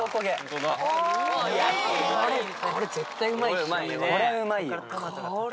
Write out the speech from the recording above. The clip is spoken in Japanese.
これうまいよ。